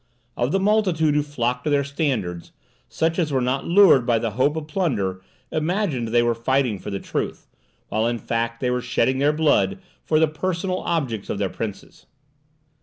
Of the multitude who flocked to their standards, such as were not lured by the hope of plunder imagined they were fighting for the truth, while in fact they were shedding their blood for the personal objects of their princes.